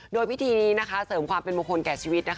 โดยวิธีนี้เสริมความเป็นมงคลแก่ชีวิต